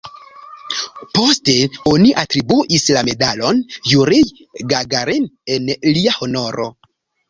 Poste oni atribuis la Medalon Jurij Gagarin en lia honoro.